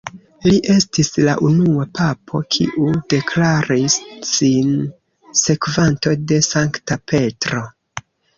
Li estis la unua papo kiu deklaris sin sekvanto de Sankta Petro.